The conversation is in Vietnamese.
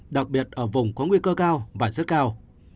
đặc biệt ở vùng có nguy cơ cao và rất cao